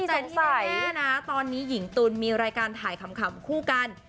แต่ที่แม่แม่นะตอนนี้หญิงตุ๋นมีรายการถ่ายคำคู่กัน